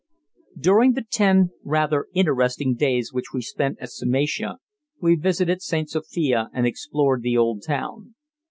During the ten rather interesting days which we spent at Psamatia we visited St. Sophia and explored the old town.